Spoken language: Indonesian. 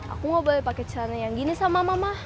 aku mau balik pake celana yang gini sama mama